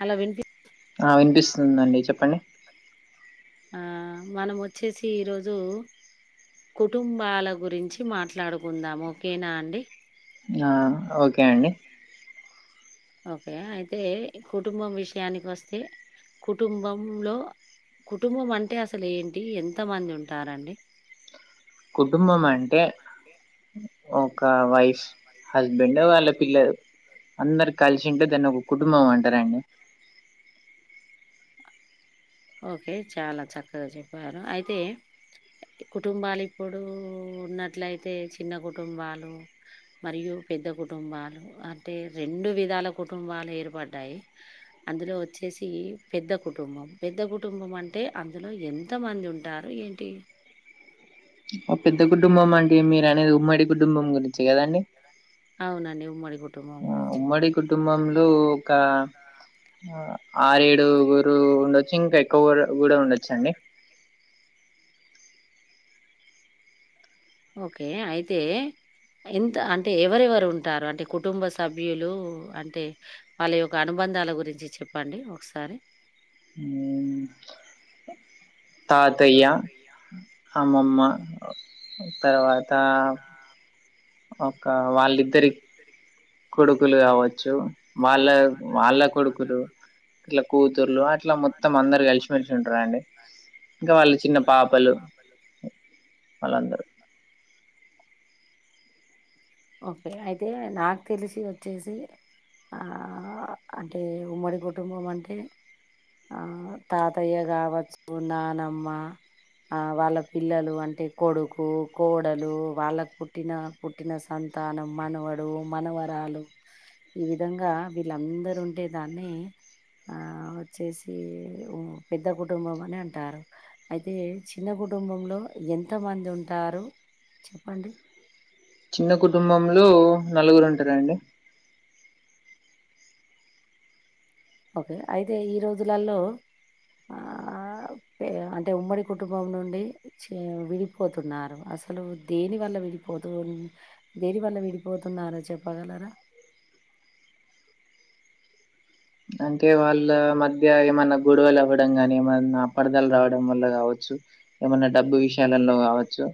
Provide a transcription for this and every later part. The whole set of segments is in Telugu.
హలో వినిపి అ వినిపిస్తుందండి చెప్పండి ఆ మనం వచ్చేసి ఈరోజు కుటుంబాల గురించి మాట్లాడుకుందాం ఓకేనా అండి అ ఓకే అండి ఓకే అయితే కుటుంబం విషయానికి వస్తే కుటుంబంలో కుటుంబం అంటే అసలు ఏంటి ఎంత మంది ఉంటారండి కుటుంబం అంటే ఒక వైఫ్ హస్బెండ్ వాళ్ళ పిల్లలు అందరు కలిసి ఉంటే దాన్ని ఒక కుటుంబం అంటారండి ఓకే చాలా చక్కగా చెప్పారు అయితే కుటుంబాలు ఇప్పుడు ఉన్నట్లయితే చిన్న కుటుంబాలు మరియు పెద్ద కుటుంబాలు అంటే రెండు విధాల కుటుంబాలు ఏర్పడ్డాయి అందులో వచ్చేసి పెద్ద కుటుంబం పెద్ద కుటుంబం అంటే అందులో ఎంతమంది ఉంటారు ఏంటి పెద్ద కుటుంబం అంటే మీరు అనేది ఉమ్మడి కుటుంబం గురించే గదండి అవునండి ఉమ్మడి కుటుం ఉమ్మడి కుటుంబంలో ఒక ఆరేడు గురు ఉండచ్చు ఇంకా ఎక్కువ వరు గుడా ఉండచ్చండి ఓకే అయితే ఎంత అంటే ఎవరెవరు ఉంటారు అంటే కుటుంబ సభ్యులు అంటే వాళ్ళ యొక్క అనుబంధాల గురించి చెప్పండి ఒకసారి ఉమ్ తాతయ్య [inaudible] అమ్మమ్మ తర్వాత ఒక వాళ్ళిద్దరి కొడుకులు గావచ్చు వాళ్ళ వాళ్ళ కొడుకులు అల్లా కూతుర్లు అట్లా మొత్తం అందరు కలిసిమెలిసి ఉంటారండి ఇంకా వాళ్ళ చిన్న పాపలు వాళ్ళందరూ ఓకే అయితే నాకు తెలిసి వచ్చేసి ఆ అంటే ఉమ్మడి కుటుంబం అంటే ఆ తాతయ్య గావచ్చు నానమ్మ ఆ వాళ్ళ పిల్లలు అంటే కొడుకు కోడలు వాళ్ళకు పుట్టిన పుట్టిన సంతానం మనవడు మనవరాలు ఈ విధంగా వీళ్ళందరు ఉంటే దాన్ని ఆ వచ్చేసి ఓ పెద్ద కుటుంబం అని అంటారు అయితే చిన్న కుటుంబంలో ఎంత మంది ఉంటారు చెప్పండి చిన్న కుటుంబంలో నలుగురు ఉంటారండి ఓకే అయితే ఈ రోజులలో అంటే ఉమ్మడి కుటుంబం నుండి చే విడిపోతున్నారు అసలు దేని వల్ల విడిపోతు దేని వల్ల విడిపోతున్నారో చెప్పగలరా అంటే వాళ్ళ మధ్య ఏమన్నా గొడవలు అవ్వడం గాని ఏమన్నా అపార్ధాలు రావడం వల్ల కావచ్చు ఏమన్నా డబ్బు విషయాలలో కావచ్చు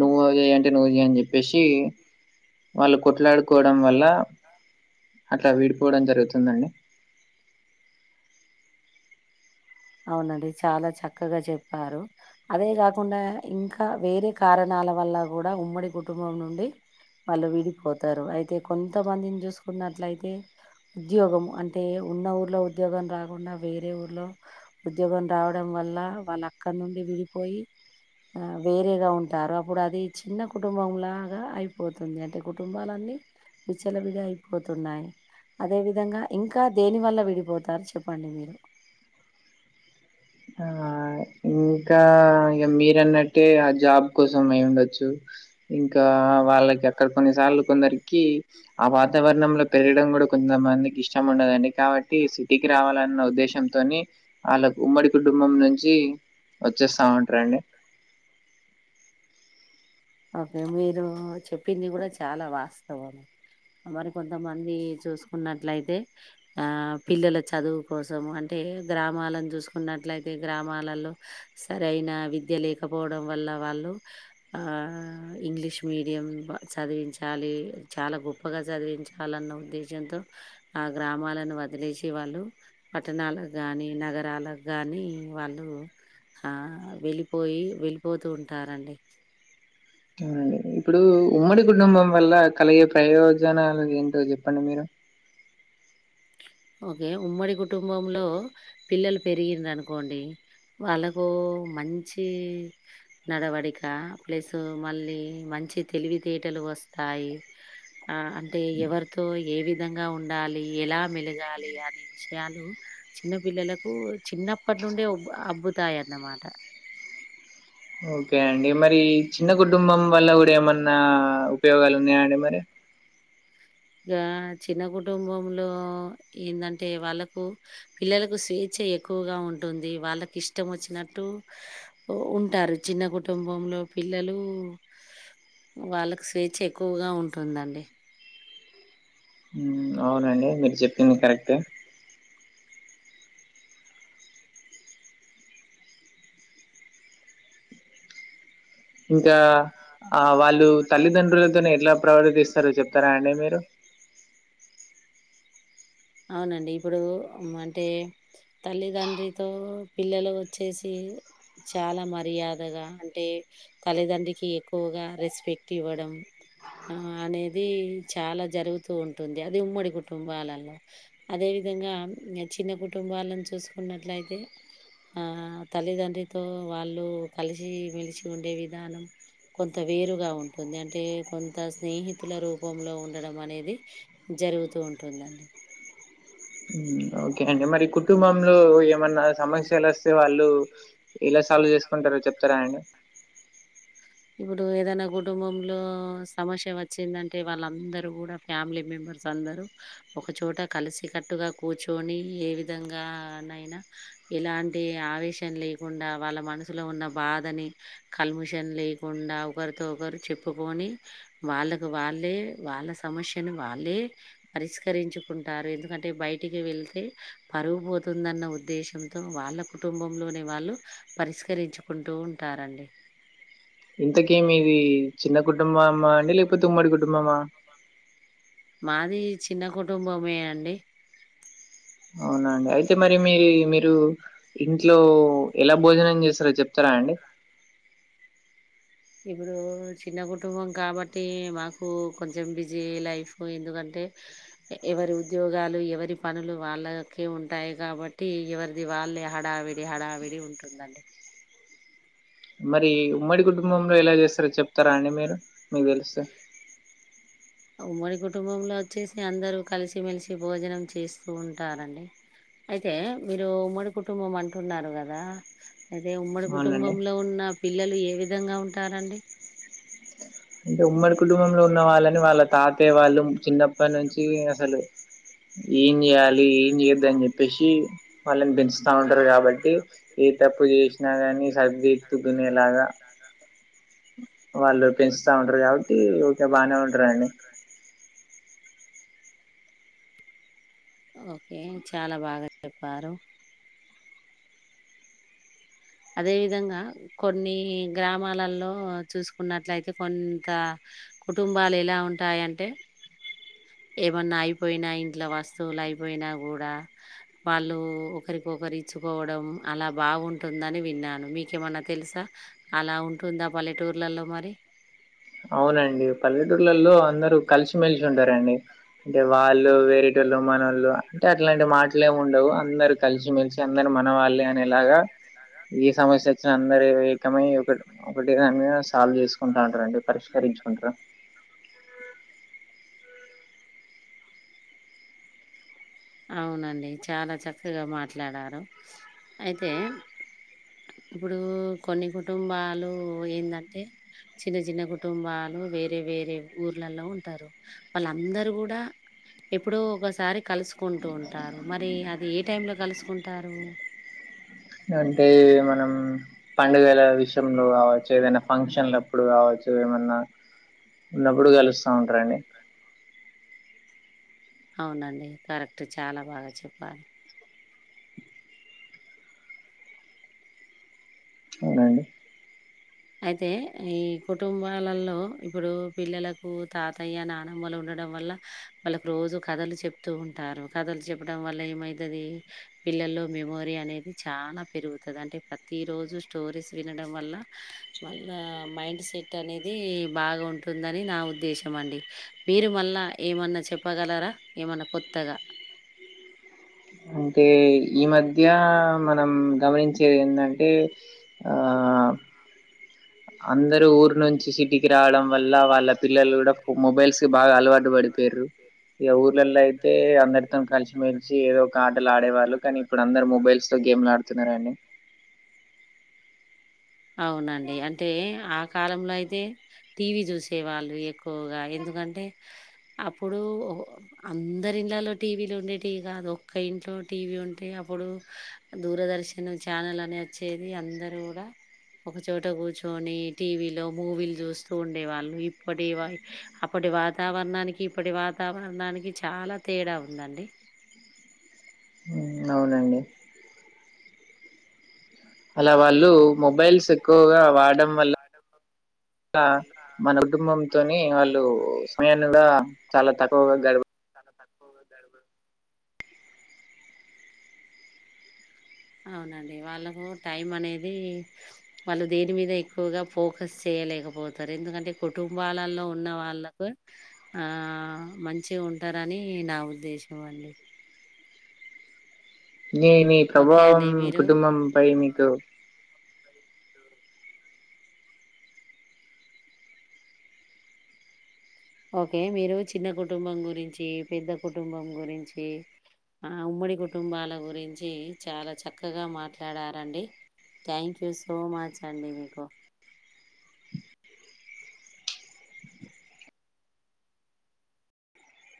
నువ్వు ఏంటి నువ్వుది అని చెప్పేసి వాళ్ళు కొట్లాడుకోవడం వల్ల అట్లా విడిపోవడం జరుగుతుందండి అవునండి చాలా చక్కగా చెప్పారు అదే కాకుండా ఇంకా వేరే కారణాల వల్ల కూడా ఉమ్మడి కుటుంబం నుండి వాళ్ళు విడిపోతారు అయితే కొంతమందిని చూసుకున్నట్లయితే ఉద్యోగం అంటే ఉన్న ఊర్లో ఉద్యోగం రాకుండా వేరే ఊర్లో ఉద్యోగం రావడం వల్ల వాళ్ళ అక్కడనుండి విడిపోయి ఆ వేరేగా ఉంటారు అప్పుడు అది చిన్న కుటుంబంలాగా అయిపోతుంది అంటే కుటుంబాలన్నీ విచలవిడి అయిపోతున్నాయి అదే విధంగా ఇంకా దేని వల్ల విడిపోతారు చెప్పండి మీరు ఆ ఇంకా ఇగా మీరన్నట్టే ఆ జాబ్ కోసం అయి ఉండొచ్చు ఇంకా వాళ్ళకి అక్కడ కొన్నిసార్లు కొందరికి ఆ వాతావరణంలో పెరగడం కూడా కొంతమందికి ఇష్టం ఉండదండి కాబట్టి సిటీకి రావాలన్న ఉద్దేశంతోని ఆళ్ళ ఉమ్మడి కుటుంబం నుంచి వచ్చేస్తా ఉంట రండి ఓకే మీరు చెప్పింది కూడా చాలా వాస్తవం మరి కొంతమంది చూసుకున్నట్లయితే ఆ పిల్లల చదువు కోసం అంటే గ్రామాలను చూసుకున్నట్లయితే గ్రామాలలో సరైన విద్య లేకపోవడం వల్ల వాళ్ళు ఆ ఆ ఇంగ్లీష్ మీడియం చదివించాలి చాలా గొప్పగా చదివించాలి లన్న ఉద్దేశంతో ఆ గ్రామాలను వదిలేసి వాళ్ళు పట్టణాలకు గాని నగరాలకు గానీ వాళ్ళు ఆ వెళ్ళిపోయి వెళ్ళిపోతూ ఉంటారండి అవునండి ఇప్పుడు ఉమ్మడి కుటుంబం వల్ల కలగే ప్రయోజనాలు ఏంటో చెప్పండి మీరు ఓకే ఉమ్మడి కుటుంబంలో పిల్లలు పెరిగింది అనుకోండి వాళ్ళకు మంచి నడవడిక ప్లస్ మళ్ళీ మంచి తెలివితేటలు వస్తాయి ఆ అంటే ఎవరితో ఏ విధంగా ఉండాలి ఎలా మెలగా గాలి గని విషయాలు చిన్న పిల్లలకు చిన్నప్పటి నుండే ఉబ్ అబ్బతాయిన్నమాట ఓకే అండి మరి చిన్న కుటుంబం వల్ల కూడా ఏమన్నా ఉపయోగాలు ఉన్నాయా అండి మరి ఇగా చిన్న కుటుంబంలో ఎందంటే వాళ్ళకు పిల్లలకు స్వేచ్ఛ ఎక్కువగా ఉంటుంది వాళ్ళకి ఇష్టం వచ్చినట్టు ఒ ఉంటారు చిన్న కుటుంబంలో పిల్లలు వాళ్ళకి స్వేచ్ఛ ఎక్కువగా ఉంటుందండి ఉం అవునండి మీరు చెప్పింది కరెక్ట్ ఇంకా ఆ వాళ్ళు తల్లిదండ్రులతోనీ ఎట్లా ప్రవర్తిస్తారో చెప్తారా అండి మీరు అవునండి ఇప్పుడు అంటే తల్లిదండ్రితో పిల్లలు వచ్చేసి చాలా మర్యాదగా అంటే తల్లిదండ్రి కి ఎక్కువగా రెస్పెక్ట్ ఇవ్వడం ఆ అనేది చాలా జరుగుతూ ఉంటుంది అది ఉమ్మడి కుటుంబాలల అదే విధంగా చిన్న కుటుంబాలను చూసుకున్నట్లయితే ఆ తల్లిదండ్రితో వాళ్ళు కలిసి మెలిసి ఉండే విధానం కొంత వేరుగా ఉంటుంది అంటే కొంత స్నేహితుల రూపంలో ఉండడం అనేది జరుగుతూ ఉంటుందండి ఓకే అండి మరి కుటుంబంలో ఏమన్నా సమస్యలు వస్ తే వాళ్ళు ఎలా సాల్వ్ చేసుకుంటారో చెప్తారా అండి ఇప్పుడు ఏదనా కుటుంబంలో సమస్య వచ్చిందంటే వాళ్ళందరూ కూడా ఫ్యామిలీ మెంబర్స్ అందరూ ఒకచోట కలిసి కట్టుగా కూర్చొని ఏ విధంగా నైనా ఇలాంటి ఆవేశం లేకుండా వాళ్ళ మనసులో ఉన్న బాధని కల్మషం లేకుండా ఒకరితో ఒకరు చెప్పుకొని వాళ్ళకు వాళ్ళే వాళ్ళ సమస్యను వాళ్ళే పరిష్కరించుకుంటారు ఎందుకంటే బయటికి వెళ్తే పరువుపోతుందన్న ఉద్దేశ్యంతో వాళ్ళకు టుంబంలోని వాళ్ళు పరిష్కరించుకుంటూ ఉంటారండి ఇంతకి మీది చిన్న కుటుంబమ్మా అండి లేకపోతే ఉమ్మడి కుటుంబమా మాది చిన్న కుటుంబమే అండి అవునండి అయితే మరి మీది మీరు ఇంట్లో ఎలా భోజనం చేస్తారో చెప్తారా అండి ఇప్పుడు చిన్న కుటుంబం కాబట్టి మాకు కొంచం బిజీ లైఫ్ ఎందుకంటే ఎవరి ఉద్యోగాలు ఎవరి పనులు వాళ్ళకే ఉంటాయి కాబట్టి ఎవరిది వాళ్ళే హడావి హడావిడి ఉంటుందండి మరి ఉమ్మడి కుటుంబంలో ఎలా చేస్తారో చెప్తారా అండి మీరు మీకు తెలుస్తే ఉమ్మడి కుటుంబంలో వచ్చేసి అందరు కలిసిమెలిసి భోజనం చేస్తూ ఉంటారండి అయితే మీరు ఉమ్మడి కుటుంబం అంటున్నారు కదా ఐతే ఉమ్మడి అవునండి కుటుంబంలో ఉన్న పిల్లలు ఏ విధంగా ఉంటారండి అంటే ఉమ్మడి కుటుంబంలో ఉన్న వాళ్ళని వాళ్ళ తాతయ్య వాళ్ళు చిన్నప్పటి నుంచి అసలు ఎం చేయాలి ఏం చేయొద్దు అని చెప్పేసి వాళ్ళని పెంచుతా ఉంటారు కాబట్టి ఏ తప్పు చే న గాని సరి దిద్దుకునేలాగ వాళ్ళు పెంచుతా ఉంటారు కాబట్టి ఓకే బానే ఉంటారండి ఓకే చాలా బాగా చెప్పారు అదే విధంగా కొన్ని గ్రామాలలో చూసుకున్నట్లయితే కొంత కుటుంబాలు ఎలా ఉంటాయంటే ఏమన్నా అయిపోయినా ఇంట్లో వస్తువులు అయిపోయినా కూడా వాళ్ళు ఒకరికొకరూ ఇచ్చుకోవడం అలా బాగుంట టుందని విన్నాను మీకేమన్నా తెలుసా అలా ఉంటుందా పల్లెటూర్లలో మరి అవునండి పల్లెటూళ్లలో అందరు కలిసిమెలిసి ఉంటారండి అంటే వాళ్ళు రేటోలు మనోళ్లు అంటే అట్లాంటి మాటలే ఉండవు అందరు కలిసిమెలిసి అందరు మనవాళ్లే అనేలాగా ఏ సమస్య వచ్చినా అందరు ఏకమై ఒక ఒకటి దానీ మీద సాల్వ్ చేసుకు కుంటా ఉంటారండి పరిష్కరించుకుంటూ అవునండి చాలా చక్కగా మాట్లాడారు అయితే ఇప్పుడు కొన్ని కుటుంబాలు ఎందంటే చిన్న చిన్న కుటుంబాలు వేరే వేరే ఊర్లలో ఉంటారు వాళ్ళందరు కూడా ఎప్పుడో ఒకసారి కలుసు కుంటూ ఉంటారు మరి అది ఏ టైంలో కలుసుకుంటారు? అంటే మనం పండుగల విషయంలో కావచ్చు ఏదైనా ఫంక్షన్లుప్పుడు కావచ్చు ఏమన్నా ఉన్నప్పుడు కలుస్తా ఉంటారండి అవునండి కరెక్ట్ చాలా బాగా చెప్పారు అవునండి అయితే ఈ కుటుంబాలలో ఇప్పుడు పిల్లలకు తాతయ్య నానమ్మలు ఉండడం వల్ల వాళ్ళకు రోజు కథలు చెప్తూ ఉంటారు కథలు చెప్పడం వల్ల ఏమైతది పిల్లల్లో మెమోరీ అనేది చానా పెరుగుతది. అంటే ప్రతి రోజు స్టోరీస్ వినడం వల్ల మళ్ళా మైండ్ సెట్ అనేది బాగా ఉంటుందని నా ఉద్దేశం అండి. మీరు మళ్ళ ఏమన్నా చెప్పగలరా ఏమన్నా కొత్తగా అంటే ఈ మధ్య మనం గమనించ చింది ఏంటంటే ఆ అందరు ఊరు నుంచి సిటీకి రావడం వల్ల వాళ్ళ పిల్లలు కూడా మొబైల్స్ కి బాగా అలవాటు పడు డారూ ఇక ఊర్లలో అయితే అందరితో కలిసి మెలిచి ఏదో ఒక ఆటలు ఆడేవాళ్ళు కానీ ఇప్పుడు అందరు మొబైల్ తో గేమ్లు ఆడు తిన్నర అండి అవునండి అంటే ఆ కాలంలో అయితే టీవీ చూసేవాళ్ళు ఎక్కు కుగా ఎందుకంటే అప్పుడూ అందరి ఇండ్లలో టీవీలు ఉండేటివి కాదు ఒక్క ఇంట్లో టీవీ ఉంటే అప్పుడు దూరదర్శిన్ ఛానల్ అని వచ్చేది అందరు కూడా ఒకచోట కూర్చొని టీవీలో మూవీలు చూస్తూ ఉండే వాళ్ళు ఇప్పటి వరకు అప్పటి వాతావరణానికి ఇప్పటి వాతావరణానికి చాలా తేడా ఉందండి ఉ అవునండి అలా వాళ్ళు మొబైల్స్ ఎక్కువగా వాడం వల్ల [unintelligible] ఇలా మన కుటుంబంతోని వాళ్ళు [unintelligible] కూడా చాలా తక్కువగా గడవ చాలా తక్కువగా గడు అవునండి వాళ్ళకు టైం అనేది వాళ్ళు దేని మీద ఎక్కువగా ఫోకస్ చేయలేకపోతరు ఎందుకంటే కుటుంబాలలో ఉన్న వాళ్ళకు ఆ మంచిగ ఉంటారని నా ఉద్దేశం అండి నీ మీ ఓకే ప్రభావం అండి మీరు కుటుంబం పై మీకు ఒకే మీరు చిన్న కుటుంబం గురించి పెద్ద కుటుంబం గురించి ఆ ఉమ్మడి కుటుంబాల గురించి చాలా చక్కగా మాట్లాడారండి థాంక్యూ సో మచ్ అండి మీకు